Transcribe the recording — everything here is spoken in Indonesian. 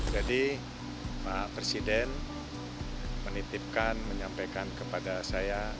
jadi pak presiden menitipkan menyampaikan kepada saya